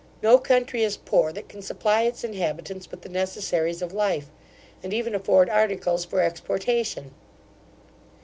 No country is poor that can supply its inhabitants with the necessaries of life, and even afford articles for exportation.